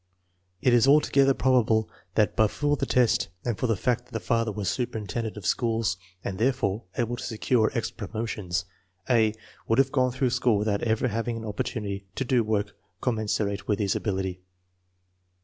It is altogether probable that but for the test and for the fact that the father was superintendent of schools, and therefore able to secure extra promotions, A. would have gone through school without ever hav ing an opportunity to do work commensurate with his ability.